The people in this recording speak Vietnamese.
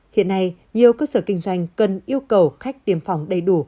hiện nay nhiều cơ sở kinh doanh cần yêu cầu khách tiêm phòng đầy đủ